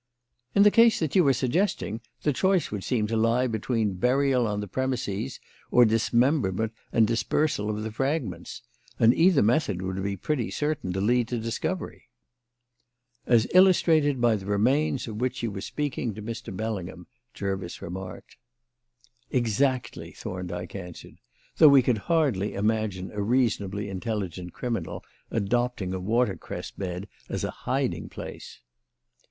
"In the case that you are suggesting, the choice would seem to lie between burial on the premises or dismemberment and dispersal of the fragments; and either method would be pretty certain to lead to discovery." "As illustrated by the remains of which you were speaking to Mr. Bellingham," Jervis remarked. "Exactly," Thorndyke answered, "though we could hardly imagine a reasonably intelligent criminal adopting a watercress bed as a hiding place."